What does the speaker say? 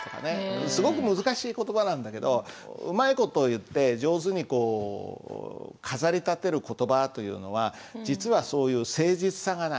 すごく難しい言葉なんだけどうまい事を言って上手にこう飾り立てる言葉というのは実はそういう誠実さがない。